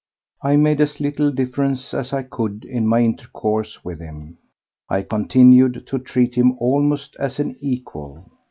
I made as little difference as I could in my intercourse with him. I continued to treat him almost as an equal.